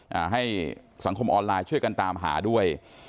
ให้สังคมออนไลน์ช่วยกันตามหาด้วย